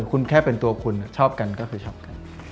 คุณแค่เป็นตัวคุณชอบกันก็คือชอบกัน